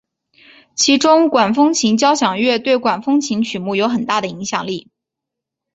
其中管风琴交响乐对管风琴曲目有很大的影响力。